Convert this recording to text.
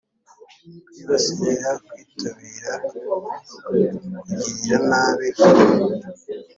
kwibasira: kwitabira kugirira nabi umuntu.